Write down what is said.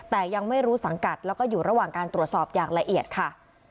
แต่ยังไม่รู้สังกัดแล้วก็อยู่ระหว่างการตรวจสอบอย่างละเอียดค่ะ